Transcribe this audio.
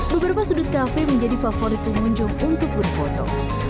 beberapa sudut kafe menjadi favorit pengunjung untuk berfoto